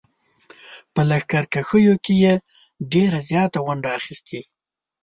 په لښکرکښیو کې یې ډېره زیاته ونډه اخیستې.